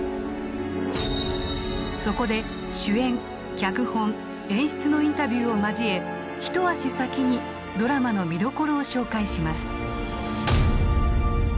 そこで主演脚本演出のインタビューを交え一足先にドラマの見どころを紹介します